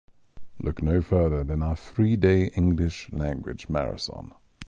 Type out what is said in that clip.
Look no further than our three-day English language marathon.